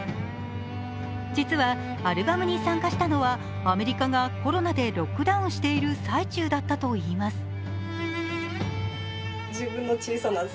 実はアルバムに参加したのはアメリカがコロナでロックダウンしている最中だったといいます。